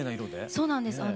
そうなんです。